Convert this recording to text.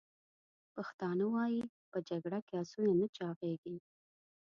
پښتانه وایي: « په جګړه کې اسونه نه چاغیږي!»